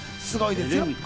すごいですよ。